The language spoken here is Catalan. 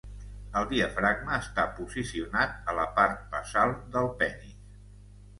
El diafragma està posicionat a la part basal del penis.